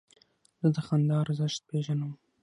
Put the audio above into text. زه د خندا ارزښت پېژنم.